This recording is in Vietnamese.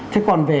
thế còn về